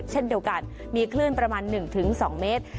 เช่นเดียวกันมีคลื่นประมาณ๑๒เมตร